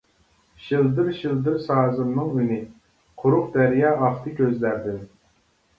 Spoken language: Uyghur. شىلدىر-شىلدىر سازىمنىڭ ئۈنى، قۇرۇق دەريا ئاقتى كۆزلەردىن.